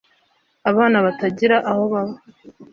abana batagira aho baba